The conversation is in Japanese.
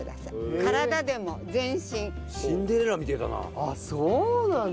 あっそうなんだ。